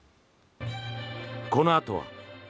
このあとは。